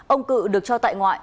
ông cựu được cho tại ngoại